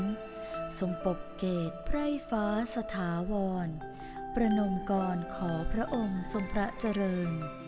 ทรงปกเกตไพร่ฟ้าสถาวรประนมกรขอพระองค์ทรงพระเจริญ